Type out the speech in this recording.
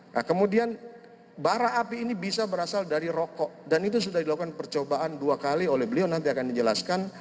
nah kemudian bara api ini bisa berasal dari rokok dan itu sudah dilakukan percobaan dua kali oleh beliau nanti akan dijelaskan